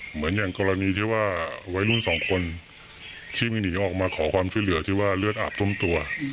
เหมือนอย่างกรณีที่ว่าวัยรุ่นสองคนที่ไม่หนีออกมาขอความช่วยเหลือที่ว่าเลือดอาบทุ่มตัว